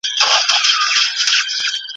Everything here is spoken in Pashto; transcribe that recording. په رقيب چي مي اختر دي